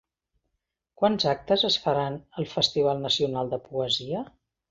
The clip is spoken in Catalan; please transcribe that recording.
Quants actes es faran al Festival Nacional de Poesia?